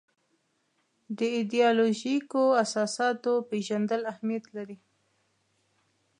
د ایدیالوژیکو اساساتو پېژندل اهمیت لري.